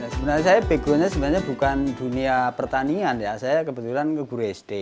sebenarnya saya backgroundnya sebenarnya bukan dunia pertanian ya saya kebetulan guru sd